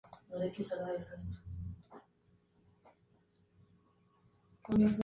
Fue dirigida por Allan Dwan, y su cinematografía estuvo a cargo de John Alton.